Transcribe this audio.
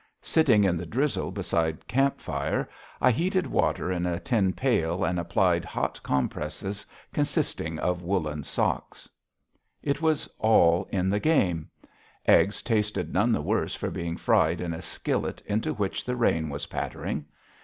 Sitting in the drizzle beside the camp fire, I heated water in a tin pail and applied hot compresses consisting of woolen socks. It was all in the game. Eggs tasted none the worse for being fried in a skillet into which the rain was pattering.